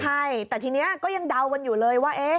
ใช่แต่ทีนี้ก็ยังเดากันอยู่เลยว่า